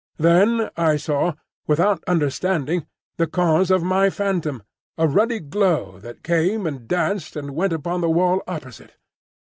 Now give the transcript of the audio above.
Then I saw, without understanding, the cause of my phantom,—a ruddy glow that came and danced and went upon the wall opposite.